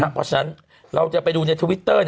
เพราะฉะนั้นเราจะไปดูในทวิตเตอร์